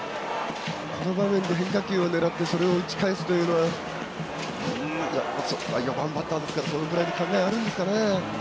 この場合、変化球を狙ってそれを打ち返すというのは４番バッターですからそれぐらいの考えあるんですかね。